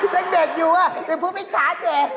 ยังเด็กอยู่อ่ะเด็กพูดไม่ช้าแก่